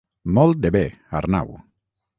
Molt de bé, Arnau.